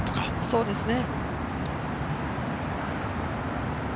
そうですね。